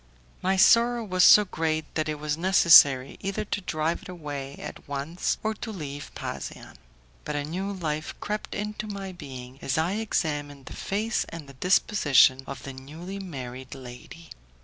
My sorrow was so great that it was necessary either to drive it away at once or to leave Pasean. But a new life crept into my being as I examined the face and the disposition of the newly married lady.